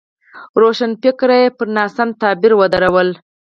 روښانفکري یې پر ناسم تعبیر ودروله.